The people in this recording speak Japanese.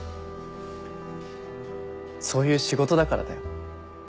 そういう仕事だからだよ。